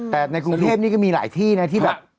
แต่ในกรุงเทพนี่ก็มีหลายที่นะที่แบบ